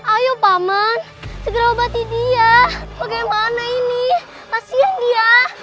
ayo paman segera obati dia bagaimana ini kasian dia